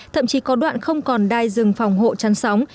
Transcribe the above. thậm chí có đoạn không còn đai rừng phòng hộ chăn sóng